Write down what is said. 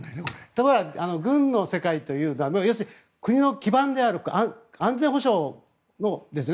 ところが軍の世界というのは国の基盤である安全保障ですね。